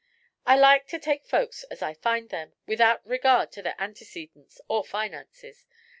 "I like to take folks as I find them, without regard to their antecedents or finances.